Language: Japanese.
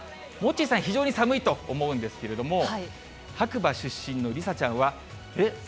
モッチーさん、非常に寒いと思うんですけれども、白馬出身の梨紗ちゃんは、え？